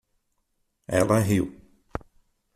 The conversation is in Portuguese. Ela riu.